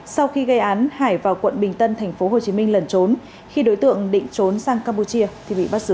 sau khi gây án hải vào quận bình tân tp hcm lần trốn khi đối tượng định trốn sang campuchia thì bị bắt giữ